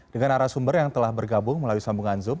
dengan arah sumber yang telah bergabung melalui sambungan zoom